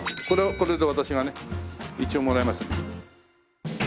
これを私がね一応もらいますんで。